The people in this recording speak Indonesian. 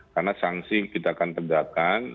karena sanksi kita akan tegakkan